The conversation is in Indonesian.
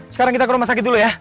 sekarang kita ke rumah sakit dulu ya